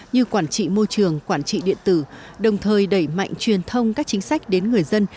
như quản trị môi trường quản trị điện tử đồng thời đẩy mạnh truyền thông các chính sách đến người dân